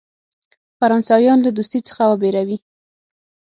فرانسویانو له دوستی څخه وبېروي.